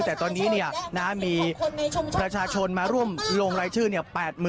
แต่ตอนนี้เนี่ยนะฮะมีประชาชนมาร่วมลงรายชื่อเนี่ย